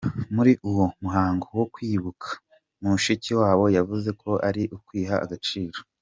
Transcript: Muri uwo muhango wo kwibuka, Mushikiwabo yavuze ko ari ukwiha agaciro.